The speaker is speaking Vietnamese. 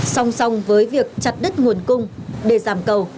song song với việc chặt đứt nguồn cung để giảm cầu